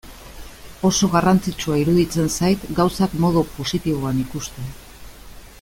Oso garrantzitsua iruditzen zait gauzak modu positiboan ikustea.